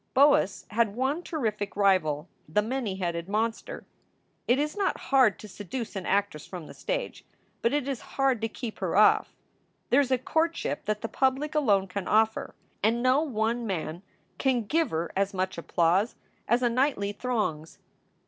Boas had one terrific rival, the many headed monster. It is not hard to seduce an actress from the stage, but it is hard to keep her off. There is a courtship that the public alone can offer, and no one man can give her as much applause 3QO SOULS FOR SALE as a nightly throng s.